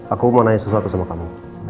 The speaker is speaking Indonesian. aku mau nanya sesuatu sama kamu